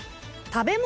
食べ物？